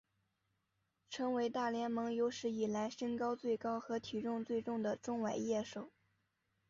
成为大联盟有史以来身高最高和体重最重的中外野手。